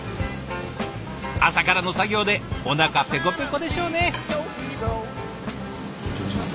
朝からの作業でおなかペコペコでしょうね！